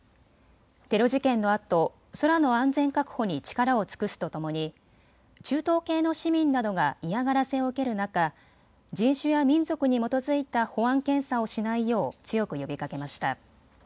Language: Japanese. テロ事件のあと、空の安全確保に力を尽くすとともに中東系の市民などが嫌がらせを受ける中、人種や民族に基づいた保安検査をしないよう強く呼びかけました。